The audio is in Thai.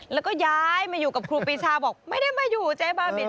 แล้วก็ย้ายมาอยู่กับครูปีชาบอกไม่ได้มาอยู่เจ๊บ้าบิน